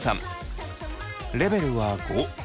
レベルは５。